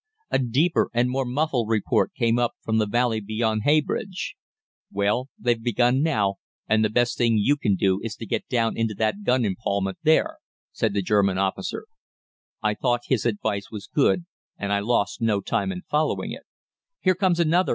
A deeper and more muffled report came up from the valley beyond Heybridge. "'Well, they've begun now, and the best thing you can do is to get down into that gun epaulment there,' said the German officer. "I thought his advice was good, and I lost no time in following it. "'Here comes another!'